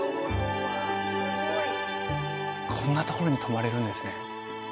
こんなところに泊まれるんですね